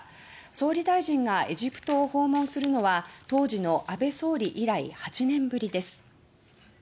総理大臣がエジプトを訪問するのは当時の安倍総理以来８年ぶりです。